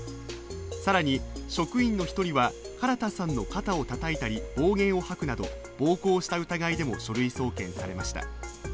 更に職員の１人は、唐田さんの肩をたたいたり暴言を吐くなど暴行した疑いでも書類送検されました。